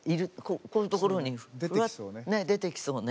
こういうところに出てきそうね。